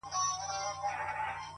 صادق زړه پټ بارونه نه وړي.!